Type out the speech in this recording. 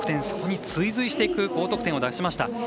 そこに追随していく高得点を出しました。